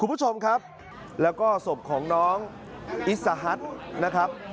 คุณผู้ชมครับแล้วก็ศพของน้องอิสฮัทนะครับ